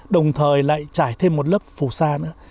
đồng thời lại trải thêm một lớp phù sa nữa